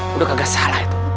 wah udah kagak salah itu